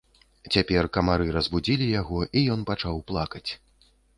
Цяпер камары разбудзілі яго, і ён пачаў плакаць.